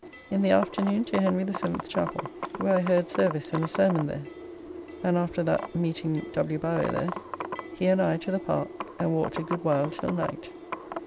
In the afternoon to Henry the Seventh's Chappell, where I heard service and a sermon there, and after that meeting W. Bowyer there, he and I to the Park, and walked a good while till night.